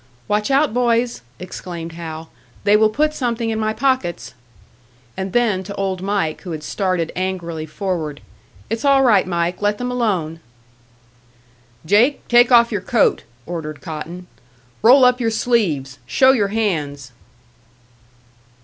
"Watch out, boys!" exclaimed Hal. "They will put something in my pockets." And then to Old Mike, who had started angrily forward, "It's all right, Mike! Let them alone!" "Jake, take off your coat," ordered Cotton. "Roll up your sleeves. Show your hands."